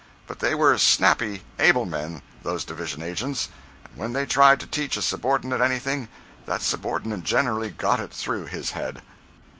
But they were snappy, able men, those division agents, and when they tried to teach a subordinate anything, that subordinate generally "got it through his head."